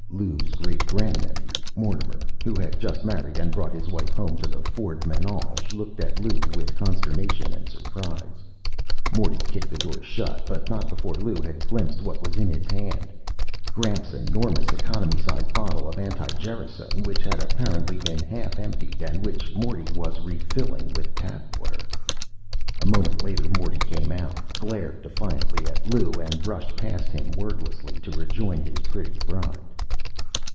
Lou's great grandnephew, Mortimer, who had just married and brought his wife home to the Ford menage, looked at Lou with consternation and surprise. Morty kicked the door shut, but not before Lou had glimpsed what was in his hand Gramps' enormous economy size bottle of anti gerasone, which had apparently been half emptied, and which Morty was refilling with tap water. A moment later, Morty came out, glared defiantly at Lou and brushed past him wordlessly to rejoin his pretty bride.